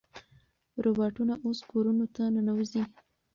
روباټونه اوس کورونو ته ننوځي.